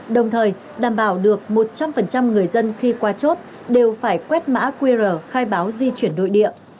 đồng thời đảm bảo được một trăm linh người dân khi qua chốt đều phải quét mã qr khai báo di chuyển nội địa